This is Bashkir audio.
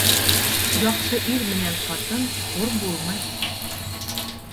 Яҡшы ир менән ҡатын хур булмай.